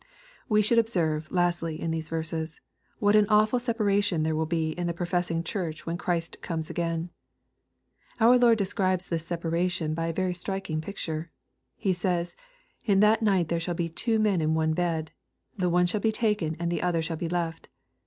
We should observe, lastly, in these verses, what an awful separation there will he in the professing Church when Christ comes again. Our Lord describes this sep aration by a very striking picture. He says, '^ In that night there shall be twj men in one bed ; the one shall be taken, and the other shall be left.